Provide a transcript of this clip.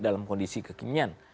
dalam kondisi kekinian